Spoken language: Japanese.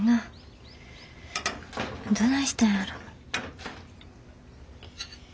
どないしたんやろ。